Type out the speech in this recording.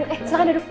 eh silahkan dadu